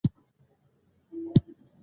هره ګناه چې مې کړې وه سترګو ته مې ودرېدله.